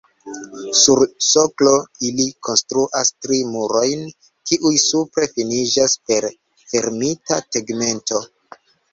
Sur soklo ili konstruas tri murojn, kiuj supre finiĝas per fermita tegmento.